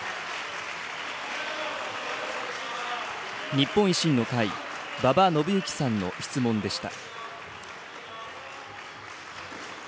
日本維新の会、馬場伸幸さんの質問でした。